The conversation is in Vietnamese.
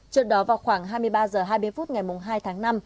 trước đó vào khoảng hai mươi ba h hai mươi phút ngày hai tháng năm